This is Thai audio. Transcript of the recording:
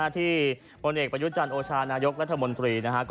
ที่บรรเมตรประหยุดจันทร์โอชานายกรัฐมนตรี